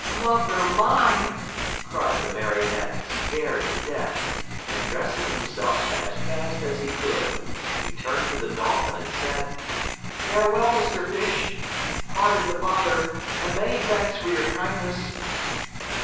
"Mother mine!" cried the Marionette, scared to death; and dressing himself as fast as he could, he turned to the Dolphin and said: "Farewell, Mr. Fish. Pardon the bother, and many thanks for your kindness."